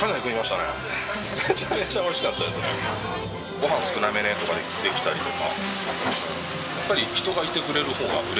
ごはん少なめでとかできたりとか。